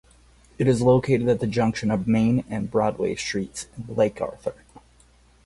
It is located at the junction of Main and Broadway Streets in Lake Arthur.